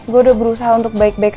gue udah berusaha untuk baik baik aja